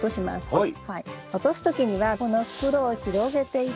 はい。